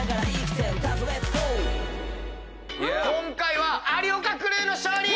今回は有岡クルーの勝利！